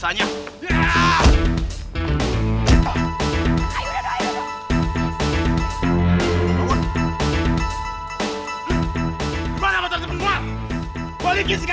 makanya lo gak usah ikut campur urusan gue